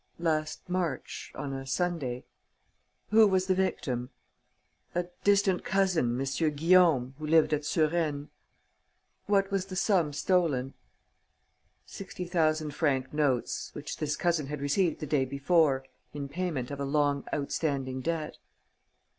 "Last March, on a Sunday." "Who was the victim?" "A distant cousin, M. Guillaume, who lived at Suresnes." "What was the sum stolen?" "Sixty thousand franc notes, which this cousin had received the day before, in payment of a long outstanding debt."